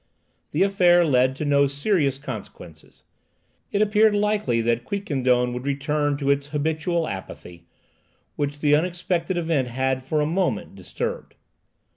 The affair led to no serious consequences. It appeared likely that Quiquendone would return to its habitual apathy, which that unexpected event had for a moment disturbed.